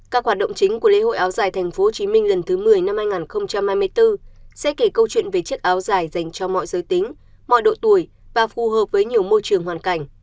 các hoạt động chính của lễ hội áo dài tp hcm lần thứ một mươi năm hai nghìn hai mươi bốn sẽ kể câu chuyện về chiếc áo dài dành cho mọi giới tính mọi độ tuổi và phù hợp với nhiều môi trường hoàn cảnh